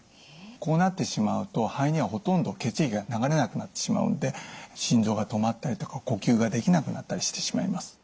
こうなってしまうと肺にはほとんど血液が流れなくなってしまうので心臓が止まったりとか呼吸ができなくなったりしてしまいます。